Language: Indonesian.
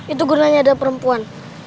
itu gunanya ada perempuan